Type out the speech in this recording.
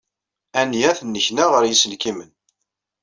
Ania tennekna ɣer yiselkimen.